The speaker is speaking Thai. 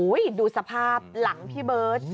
โอ้ยดูสภาพหลังพี่เบิร์ท